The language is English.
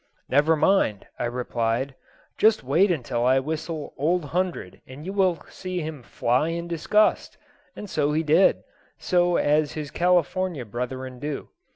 "Never mind," I replied; "just wait until I whistle 'Old Hundred' and you will see him fly in disgust." And so he did, just as his California brethren do.